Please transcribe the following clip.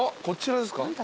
こちらですか？